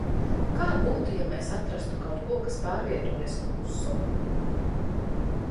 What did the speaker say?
Kā būtu, ja mēs atrastu kaut ko, kas pārvietojas klusu?